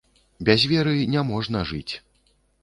Без веры не можна жыць.